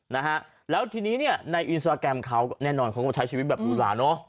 นะฮะแล้วทีนี้เนี่ยในอินสตราแกรมเขาแน่นอนเขาก็ใช้ชีวิตแบบหรูหลาเนอะ